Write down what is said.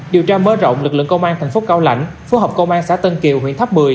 điều tra mở rộng lực lượng công an thành phố cao lãnh phối hợp công an xã tân kiều huyện tháp một mươi